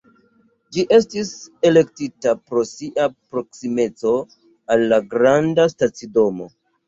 Ĝi estis elektita pro sia proksimeco al la granda stacidomo.